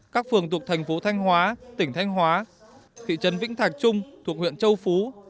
các phường thuộc thành phố thanh hóa tỉnh thanh hóa thị trấn vĩnh thạch trung thuộc huyện châu phú